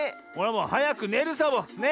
もうはやくねるサボ！ね。